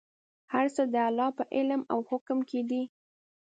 هر څه د الله په علم او حکم کې دي.